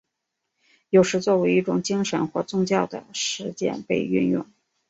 有时作为一种精神或宗教的实践被运用。